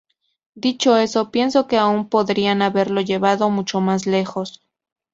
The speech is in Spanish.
Dicho eso, pienso que aún podrían haberlo llevado mucho más lejos.